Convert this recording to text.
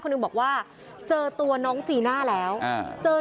เพื่อนบ้านเจ้าหน้าที่อำรวจกู้ภัย